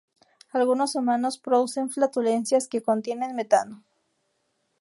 Algunos humanos producen flatulencias que contienen metano.